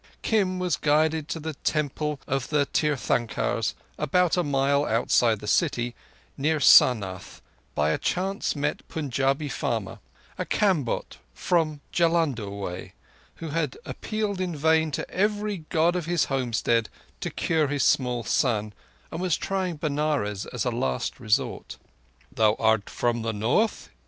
Kim was guided to the Temple of the Tirthankars, about a mile outside the city, near Sarnath, by a chance met Punjabi farmer—a Kamboh from Jullundur way who had appealed in vain to every God of his homestead to cure his small son, and was trying Benares as a last resort. "Thou art from the North?"